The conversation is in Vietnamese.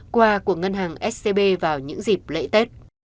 qua của ngân hàng scb vào những dịp lễ tết